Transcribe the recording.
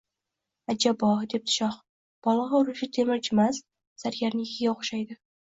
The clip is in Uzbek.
– Ajabo! – debdi shoh. – Bolg‘a urishi temirchimas, zargarnikiga o‘xshaydi.